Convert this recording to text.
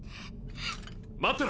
待ってろ！